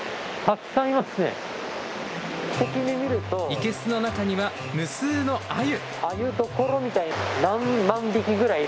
生けすの中には無数のアユ！